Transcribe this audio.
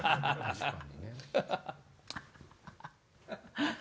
ハハハハ！